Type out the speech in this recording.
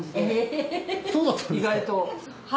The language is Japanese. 意外と。